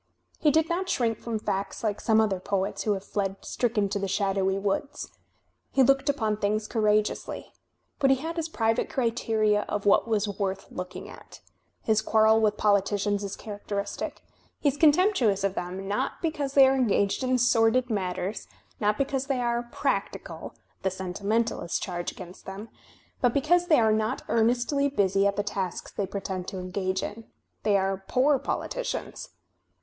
He did not shrink from facts like some other poets who have fled stricken to the shadowy woods. He looked upon things courageously. But he had his private criteria of what was worth looking at. His quarrel with politicians is character istic. He is contemptuous of them, not because they are engaged in sordid matters, not because they are "practical" (the sentimentalist's charge against them), but because they are not earnestly busy at the tasks they pretend to engage in. They are poor poUticians.